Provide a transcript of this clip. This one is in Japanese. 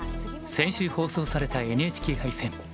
先週放送されたＮＨＫ杯戦。